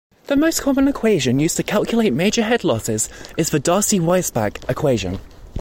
The most common equation used to calculate major head losses is the Darcy-Weisbach equation.